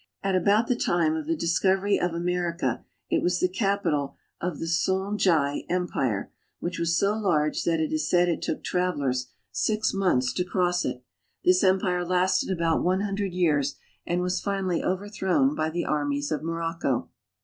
At about the time of the discovery of America it was the capital of the Songhay (s6n gi') empire, which was so large that it is said it took travelers six months to cross it. This empire lasted about one hundred years and was finally overthrown Kby the armies of Morocco.